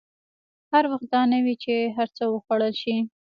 هر وخت دا نه وي چې هر څه وخوړل شي.